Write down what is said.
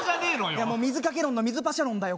いや水かけ論の水パシャ論だよ